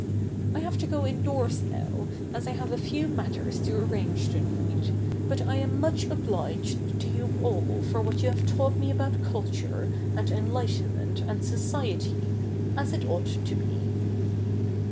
I have to go indoors now, as I have a few matters to arrange to night ; but I am much obliged to you all for what you have taught me about culture, and enlightenment, and society, as it ought to be.'